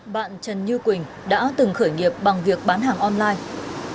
bạn trần như quỳnh đã từng khởi nghiệp bằng việc bán hàng online